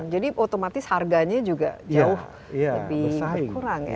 jadi otomatis harganya juga jauh lebih kurang ya